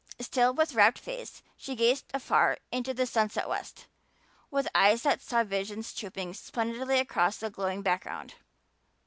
Still with rapt face she gazed afar into the sunset west, with eyes that saw visions trooping splendidly across that glowing background.